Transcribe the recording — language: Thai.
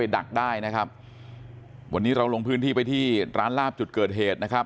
วันนี้เราลงพื้นที่ไปที่ร้านลาบจุดเกิดเหตุนะครับ